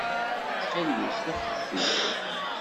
Ttxil-wet, afet-t-id.